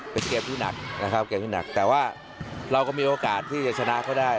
เป็นเกมที่หนักนะครับเกมที่หนักแต่ว่าเราก็มีโอกาสที่จะชนะเขาได้